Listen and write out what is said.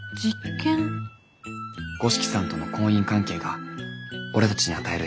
五色さんとの婚姻関係が俺たちに与える影響。